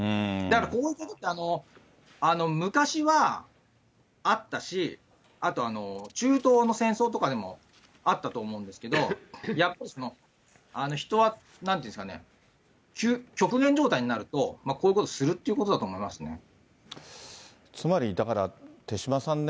だからこういうことって、昔はあったし、あと、中東の戦争とかでも、あったと思うんですけど、やっぱり、人は、なんていうんですかね、極限状態になると、こういうことするっていうことだと思いますね。